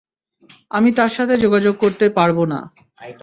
আমি তার সাথে যোগাযোগ করতে পারবো না।